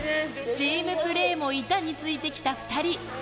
チームプレーも板についてきた２人。